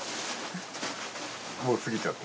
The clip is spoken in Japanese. もう過ぎちゃった。